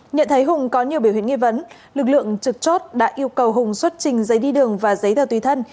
nhận thấy hùng có nhiều biểu hiện nghi vấn lực lượng trực chốt đã yêu cầu hùng xuất trình giấy đi đường và giấy tờ tùy thân